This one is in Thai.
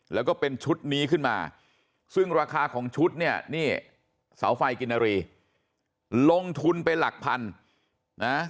แล้วก็เป็นชุดนี้ขึ้นมาซึ่งราคาของชุดเนี่ยนี่เสาไฟกินนารีลงทุนไปหลักพันนะ